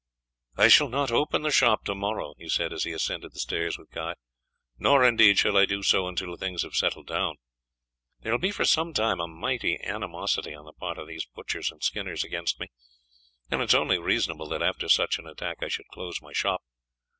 "I shall not open the shop to morrow," he said as he ascended the stairs with Guy, "nor indeed shall I do so until things have settled down. There will be for some time a mighty animosity on the part of these butchers and skinners against me, and it is only reasonable that after such an attack I should close my shop.